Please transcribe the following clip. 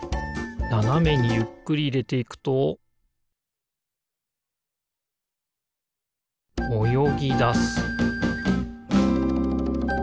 ななめにゆっくりいれていくとおよぎだす